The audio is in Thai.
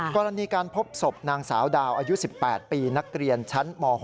กรณีการพบศพนางสาวดาวอายุ๑๘ปีนักเรียนชั้นม๖